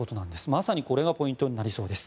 まさに、これがポイントになりそうです。